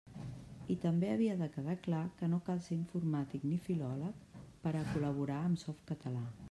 I també havia de quedar clar que no cal ser informàtic ni filòleg per a col·laborar amb Softcatalà.